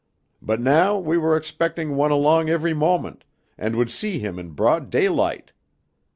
But now we were expecting one along every moment, and would see him in broad daylight.